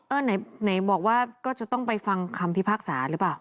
เออไหนบอกว่าก็จะต้องไปฟังคำที่ภาคศาสตร์หรือเปล่า